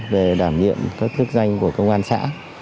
về đảm nhiệm các thức danh của công an xã